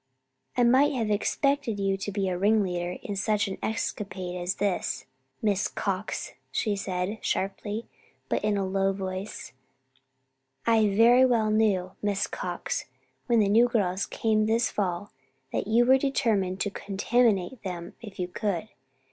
"I might have expected you to be a ringleader in such an escapade as this, Miss Cox," she said, sharply, but in a low voice. "I very well knew, Miss Cox, when the new girls came this fall that you were determined to contaminate them if you could.